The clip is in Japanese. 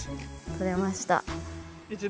とれました。